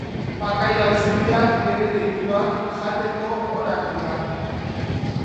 Bakailao zuriak ere deituak, jateko onak dira.